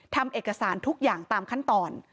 ทำเอกสารทุกอย่างตามขั้นตอน